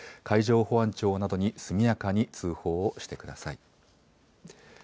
海上保安庁などに速やかに通報してください。